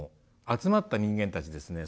集まった人間たちですね